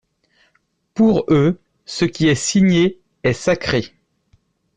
Pour eux, ce qui est signé est sacré.